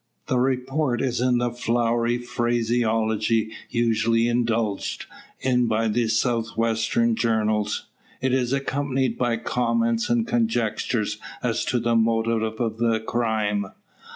The report is in the flowery phraseology usually indulged, in by the south western journals. It is accompanied by comments and conjectures as to the motive of the crime.